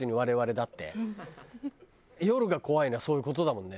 夜が怖いのはそういう事だもんね。